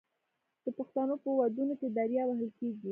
د پښتنو په ودونو کې دریا وهل کیږي.